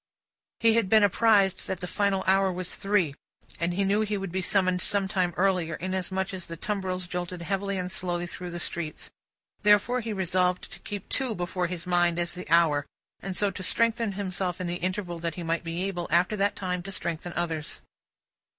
He had been apprised that the final hour was Three, and he knew he would be summoned some time earlier, inasmuch as the tumbrils jolted heavily and slowly through the streets. Therefore, he resolved to keep Two before his mind, as the hour, and so to strengthen himself in the interval that he might be able, after that time, to strengthen others.